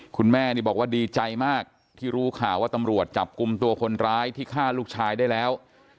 คุณแม่นี่บอกว่าดีใจมากที่รู้ข่าวว่าตำรวจจับกลุ่มตัวคนร้ายที่ฆ่าลูกชายได้แล้ว